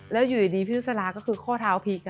แล้วอยู่ดีพี่นุษราก็คือข้อเท้าพลิก